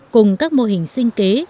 cùng các mô hình sinh kế